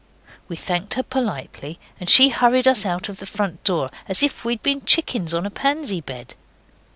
We thanked her politely, and she hurried us out of the front door as if we'd been chickens on a pansy bed.